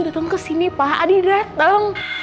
dateng kesini pak adi dateng